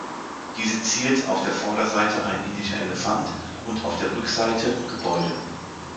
Diese ziert auf der Vorderseite ein Indischer Elefant und auf der Rückseite Gebäude.